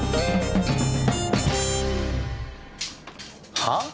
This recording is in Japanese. はあ？